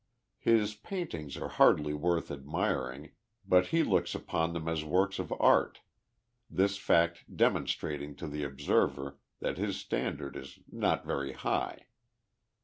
Ilis paintings arc hardly worth admiring, but he looks upon them as works of art, this fact demonstrating to the observer that his standard is not very high.